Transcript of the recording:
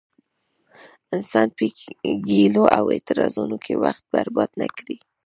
انسان په ګيلو او اعتراضونو کې وخت برباد نه کړي.